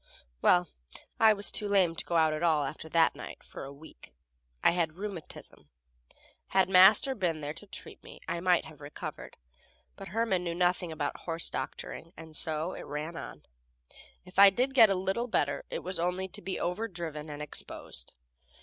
Well, I was too lame to get out at all, after that night, for a week. I had rheumatism. Had Master been there to treat me, I might have recovered, but Herman knew nothing about horse doctoring, and so it ran on. If I did get a little better, it was only to be overdriven and exposed.